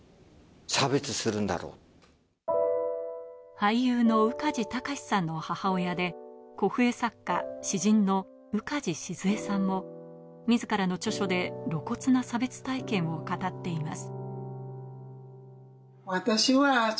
俳優の宇梶剛士さんの母親で古布絵作家・詩人の宇梶静江さんも、自らの著書で露骨な差別体験を語っています。